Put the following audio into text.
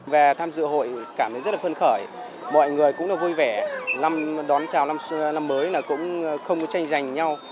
về tham dự hội cảm thấy rất là phân khởi mọi người cũng vui vẻ đón chào năm mới cũng không tranh giành nhau